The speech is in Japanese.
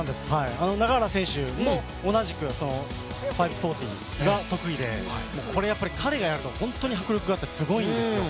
永原選手も同じく５４０が得意で、これ、やっぱり彼がやると迫力があってすごいんですよ。